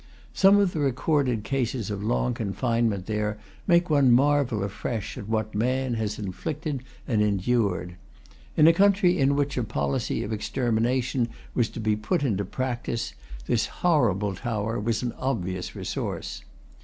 Some of the recorded cases of long confinement there make one marvel afresh at what man has inflicted and endured. In a country in which a policy of extermination was to be put into practice this horrible tower was an obvious resource.